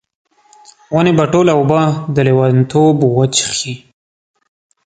ونې به ټوله اوبه، د لیونتوب وچیښي